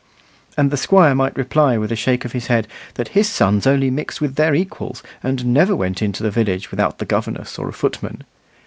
And the squire might reply with a shake of his head that his sons only mixed with their equals, and never went into the village without the governess or a footman.